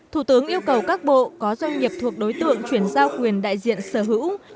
thủ tướng yêu cầu các bộ có doanh nghiệp thuộc đối tượng chuyển giao quyền đại diện sở hữu